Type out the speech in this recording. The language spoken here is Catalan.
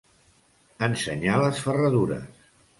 Ensenyar les ferradures.